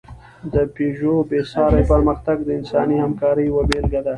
د پيژو بېساری پرمختګ د انساني همکارۍ یوه بېلګه ده.